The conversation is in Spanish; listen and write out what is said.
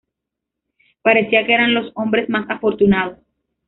Parecía que eran los hombres más afortunados.